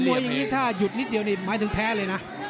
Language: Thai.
อย่างนี้ถ้าหยุดนิดเดียวนี่หมายถึงแพ้เลยนะ